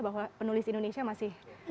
bahwa penulis indonesia masih ada rekodisi